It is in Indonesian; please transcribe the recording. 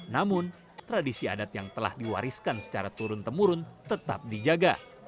namun tradisi adat yang telah diwariskan secara turun temurun tetap dijaga